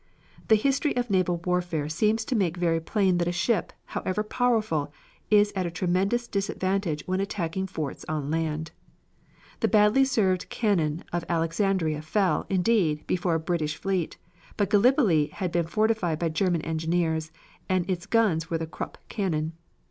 The history of naval warfare seems to make very plain that a ship, however powerful, is at a tremendous disadvantage when attacking forts on land. The badly served cannon of Alexandria fell, indeed, before a British fleet, but Gallipoli had been fortified by German engineers, and its guns were the Krupp cannon.